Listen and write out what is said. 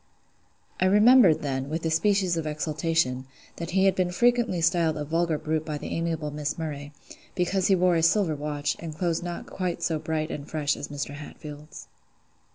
I remembered then, with a species of exultation, that he had frequently been styled a vulgar brute by the amiable Miss Murray, because he wore a silver watch, and clothes not quite so bright and fresh as Mr. Hatfield's.